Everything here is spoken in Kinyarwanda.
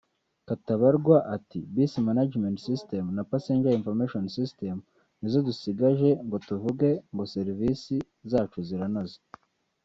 Katabarwa ati “Bus Management system’ na ‘Passenger Information System’ nizo dusigaje ngo tuvuge ngo serivisi zacu ziranoze